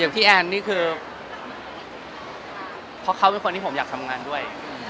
ที่เทอร์บเห็นเพราะเขาเป็นคนที่ผมอยากทำงานด้วย